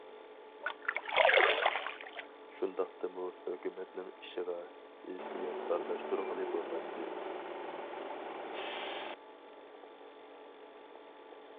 شۇنداقتىمۇ ھۆكۈمەتنىڭ ئىشىغا ھېسسىيات ئارىلاشتۇرغىلى بولمايتتى.